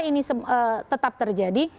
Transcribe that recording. ini tetap terjadi